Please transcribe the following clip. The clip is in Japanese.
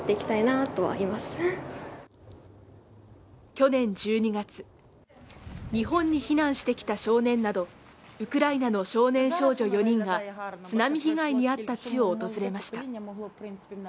去年１２月日本に避難してきた少年など、ウクライナの少年少女４人が津波被害にあった地を訪れました。